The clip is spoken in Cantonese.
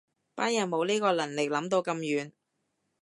班人冇呢個能力諗到咁遠